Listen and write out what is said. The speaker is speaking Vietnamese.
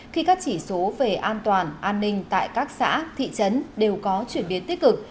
khi các chỉ số về an toàn an ninh tại các xã thị trấn đều có chuyển biến tích cực